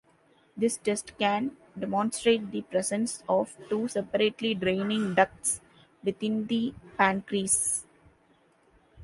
This test can demonstrate the presence of two separately draining ducts within the pancreas.